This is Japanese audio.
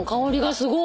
すごい！